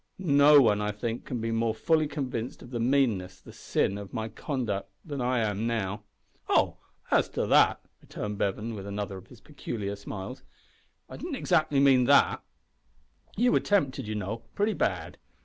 "No one, I think, can be more fully convinced of the meanness the sin of my conduct than I am now " "Oh! as to that," returned Bevan, with another of his peculiar smiles, "I didn't exactly mean that. You were tempted, you know, pretty bad.